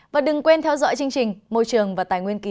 và đừng quên theo dõi chương trình môi trường và tài nguyên kì sau